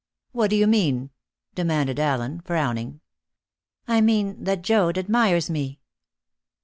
"What do you mean?" demanded Allen, frowning. "I mean that Joad admires me."